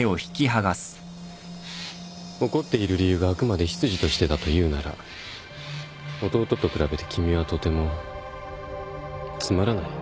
怒っている理由があくまで執事としてだというなら弟と比べて君はとてもつまらない。